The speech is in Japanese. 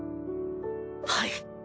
はい！